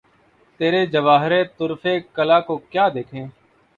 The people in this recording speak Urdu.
تیرے جواہرِ طُرفِ کلہ کو کیا دیکھیں!